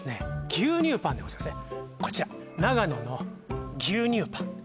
牛乳パンでございますねこちら長野の牛乳パン